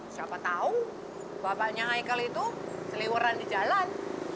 siapa tahu bapaknya ikel itu seliweran di jalan